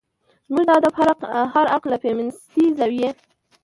زموږ د ادب هر اړخ له فيمنستي زاويې